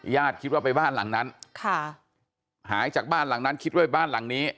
คิดว่าไปบ้านหลังนั้นค่ะหายจากบ้านหลังนั้นคิดว่าบ้านหลังนี้